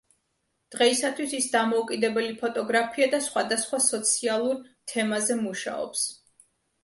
დღეისათვის ის დამოუკიდებელი ფოტოგრაფია და სხვადასხვა სოციალურ თემაზე მუშაობს.